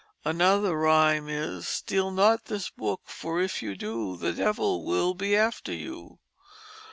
Another rhyme is: "Steal not this Book for if You Do The Devil will be after You.